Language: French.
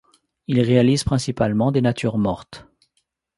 Il réalise principalement des natures-mortes.